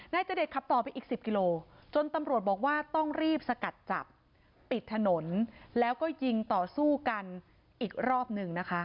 จเดชขับต่อไปอีก๑๐กิโลจนตำรวจบอกว่าต้องรีบสกัดจับปิดถนนแล้วก็ยิงต่อสู้กันอีกรอบหนึ่งนะคะ